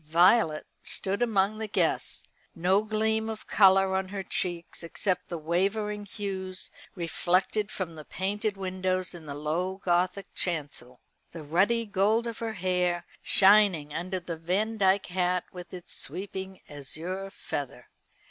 Violet stood among the guests, no gleam of colour on her cheeks except the wavering hues reflected from the painted windows in the low Gothic chancel the ruddy gold of her hair shining under the Vandyke hat with its sweeping azure feather.